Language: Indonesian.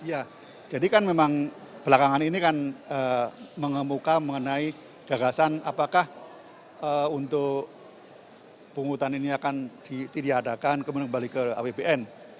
ya jadi kan memang belakangan ini kan mengemuka mengenai gagasan apakah untuk penghutan ini akan ditiadakan kemudian kembali ke apbn